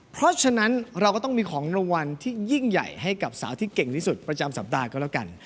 เพราะฉะนั้นเราก็ต้องมีของรางวัลที่ยิ่งใหญ่ให้กับสาวที่เก่งที่สุดประจำสัปดาห์ก็แล้วกัน